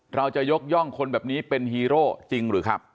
เราจะยกย่องคนแบบนี้เป็นฮีโร่จริงหรือครับ